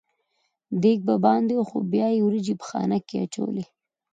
دېګ به باندې و خو بیا یې وریجې په خانک کې اچولې.